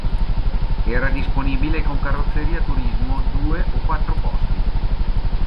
Era disponibile con carrozzeria turismo due o quattro posti.